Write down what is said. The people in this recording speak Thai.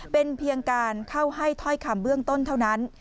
เป็นเพียงการเข้าให้ถ้อยคำเบื้องต้นเท่านั้น